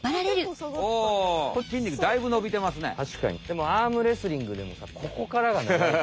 でもアームレスリングでもさここからが長い。